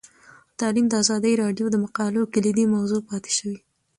تعلیم د ازادي راډیو د مقالو کلیدي موضوع پاتې شوی.